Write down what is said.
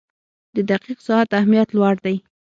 • د دقیق ساعت اهمیت لوړ دی.